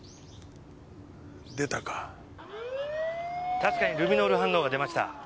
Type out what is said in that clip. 確かにルミノール反応が出ました。